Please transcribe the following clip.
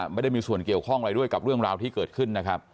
ไม่ได้มีส่วนเกี่ยวข้องอะไรด้วยกับเรื่องราวที่เกิดขึ้นนะครับ